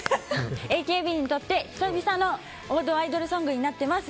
ＡＫＢにとって久々の王道アイドルソングになってます。